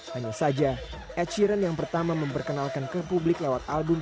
hanya saja ed sheeren yang pertama memperkenalkan ke publik lewat album